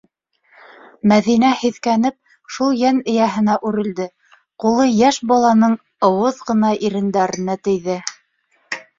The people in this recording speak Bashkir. Мәҙинә, һиҫкәнеп, шул йән эйәһенә үрелде: ҡулы йәш баланың ыуыҙ ғына ирендәренә тейҙе.